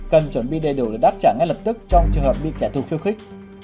cần chuẩn bị đầy đủ để đáp trả ngay lập tức trong trường hợp bị kẻ thù khiêu khích